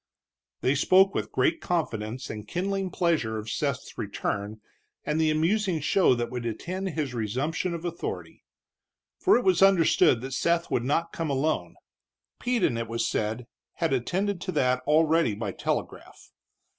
They spoke with great confidence and kindling pleasure of Seth's return, and the amusing show that would attend his resumption of authority. For it was understood that Seth would not come alone. Peden, it was said, had attended to that already by telegraph.